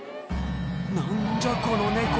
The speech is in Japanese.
「何じゃこの猫」